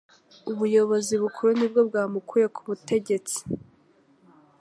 Ubuyobozi Bukuru nibwo bwamukuye kubutegetsi